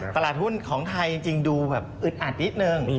ตลาดหุ้นของไทยจริงดูแบบอึดอัดนิดนึง